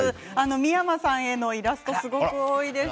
三山さんへのイラストがすごく多いです。